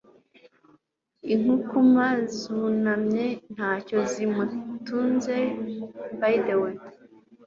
inkukuma zunamye, ntacyo zimutunze, by the way